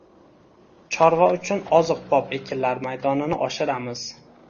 chorva uchun ozuqabop ekinlar maydonini oshiramiz.